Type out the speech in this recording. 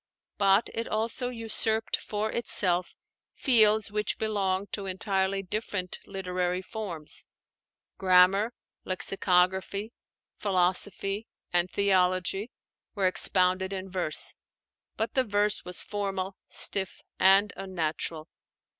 But it also usurped for itself fields which belong to entirely different literary forms. Grammar, lexicography, philosophy, and theology were expounded in verse; but the verse was formal, stiff, and unnatural.